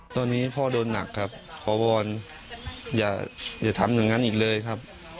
ตอนนี้พ่อโดนหนักครับขอวอนอย่าทำอย่างนั้นอีกเลยครับ